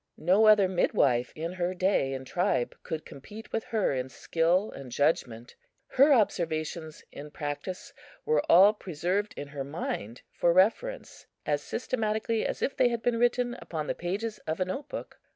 No other midwife in her day and tribe could compete with her in skill and judgment. Her observations in practice were all preserved in her mind for reference, as systematically as if they had been written upon the pages of a note book.